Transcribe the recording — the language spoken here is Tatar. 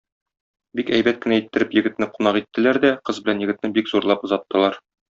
Бик әйбәт кенә иттереп егетне кунак иттеләр дә кыз белән егетне бик зурлап озаттылар.